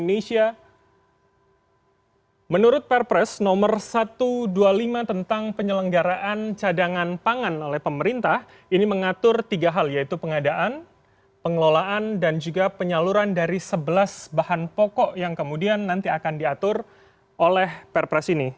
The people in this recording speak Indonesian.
menurut perpres nomor satu ratus dua puluh lima tentang penyelenggaraan cadangan pangan oleh pemerintah ini mengatur tiga hal yaitu pengadaan pengelolaan dan juga penyaluran dari sebelas bahan pokok yang kemudian nanti akan diatur oleh perpres ini